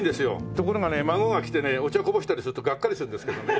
ところがね孫が来てねお茶こぼしたりするとガッカリするんですけどね。